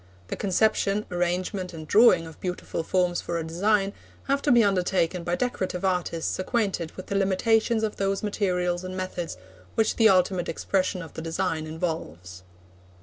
The conception, arrangement, and drawing of beautiful forms for a design, have to be undertaken by decorative artists acquainted with the limitations of those materials and methods which the ultimate expression of the design involves.